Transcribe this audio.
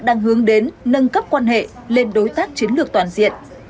đang hướng đến nâng cấp quan hệ lên đối tác chiến lược toàn diện